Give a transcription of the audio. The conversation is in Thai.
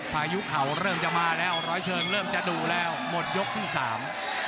พายุเข่าเริ่มจะมาแล้วร้อยเชิงเริ่มจะดูแล้วหมดยกที่สาม